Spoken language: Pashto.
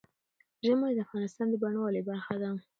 ژمی د افغانستان د بڼوالۍ برخه ده.